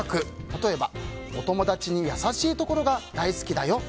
例えば、お友達に優しいところが大好きだよ。